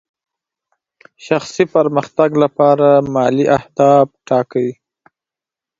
شخصي پرمختګ لپاره مالي اهداف ټاکئ.